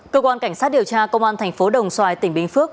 cơ quan cảnh sát điều tra công an thành phố đồng xoài tỉnh bình phước